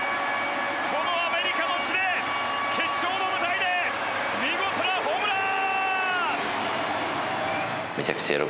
このアメリカの地で決勝の舞台で見事なホームラン！